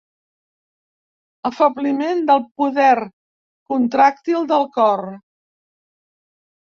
Afebliment del poder contràctil del cor.